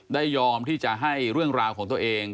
ยอมที่จะให้เรื่องราวของตัวเอง